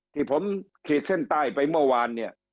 ที่ผมขีดเส้นใต้ไปเมื่อวานเนี่ย